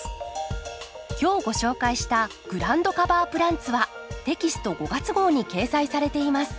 今日ご紹介した「グラウンドカバープランツ」はテキスト５月号に掲載されています。